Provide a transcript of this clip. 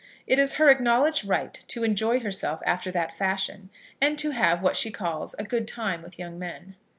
It is her acknowledged right to enjoy herself after that fashion, and to have what she calls a good time with young men.